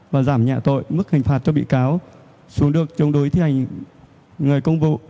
và giảm nhẹ tội mức hình phạt cho bị cáo xuống được chống đối thi hành người công vụ